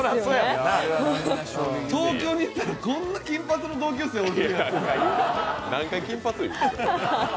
東京にいったらこんな金髪の同級生おんねやって。